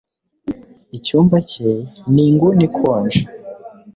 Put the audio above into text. Icyumba cye ni inguni ikonje